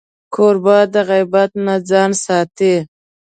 کوربه د غیبت نه ځان ساتي.